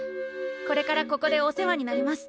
これからここでお世話になります。